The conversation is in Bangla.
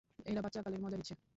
এরা বাচ্চাকালের মজা নিচ্ছে।